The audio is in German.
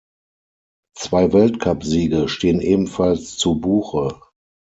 Zwei Weltcupsiege stehen ebenfalls zu Buche.